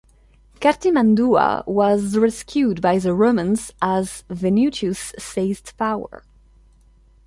Cartimandua was rescued by the Romans as Venutius seized power.